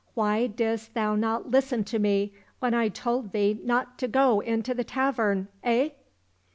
Why didst thou not listen to me when I told thee not to go into the tavern, eh